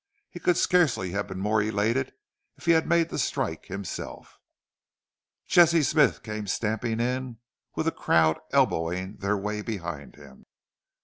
He could scarcely have been more elated if he had made the strike himself. Jesse Smith came stamping in, with a crowd elbowing their way behind him.